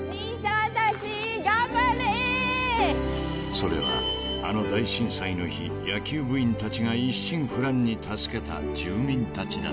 ［それはあの大震災の日野球部員たちが一心不乱に助けた住民たちだった］